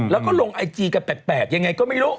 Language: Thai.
แล้วก็ลงไอจีกัน๘ยังไงก็ไม่รู้